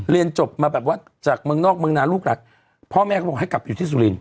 เรียนจบมาแบบว่าจากเมืองนอกเมืองนานลูกหลักพ่อแม่ก็บอกให้กลับอยู่ที่สุรินท